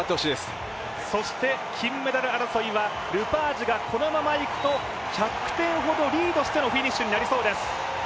金メダル争いは、ルパージュがこのままいくと１００点ほどリードしてのフィニッシュになりそうです。